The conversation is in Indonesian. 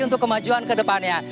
untuk kemajuan ke depannya